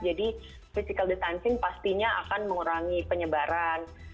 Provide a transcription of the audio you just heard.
jadi physical distancing pastinya akan mengurangi penyebaran